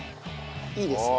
いいですね。